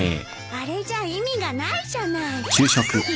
あれじゃ意味がないじゃない。